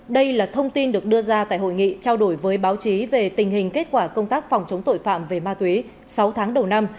đây là thông tin được đưa ra tại hội nghị trao đổi với báo chí về tình hình kết quả công tác phòng chống tội phạm về ma túy sáu tháng đầu năm